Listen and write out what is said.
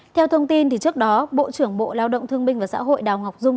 theo thông tin trước đó bộ trưởng bộ lao động thương minh và xã hội đào ngọc dung